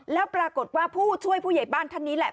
แล้วปรากฏว่าผู้ช่วยผู้ใหญ่บ้านท่านนี้แหละ